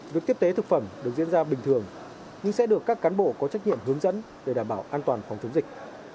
việc tiếp tế thực phẩm được diễn ra bình thường nhưng sẽ được các cán bộ có trách nhiệm hướng dẫn để đảm bảo an toàn phòng chống dịch